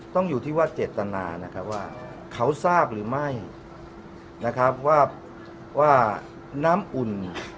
ต้องอยู่ที่ว่าเจตนานะครับว่าเขาทราบหรือไม่นะครับว่าน้ำอุ่น